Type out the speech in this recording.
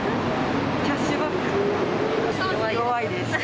キャッシュバックとか、弱いです。